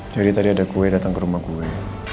jadi tadi ada gue datang ke rumah gue